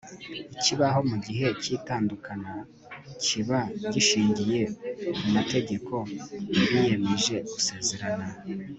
ikibaho mu gihe cy'itandukana kiba gishingiye ku mategeko biyemeje basezerana